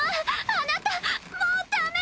あなたもう駄目！